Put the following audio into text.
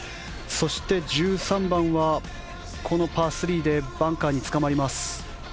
そして、１３番パー３でバンカーにつかまります。